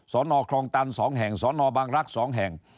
สอนอครองตัน๒แห่งสอนอบางรัก๒แห่ง